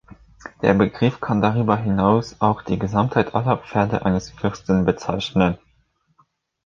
Der Begriff kann darüber hinaus auch die Gesamtheit aller Pferde eines Fürsten bezeichnen.